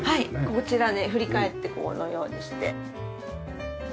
こちらで振り返ってこのようにして。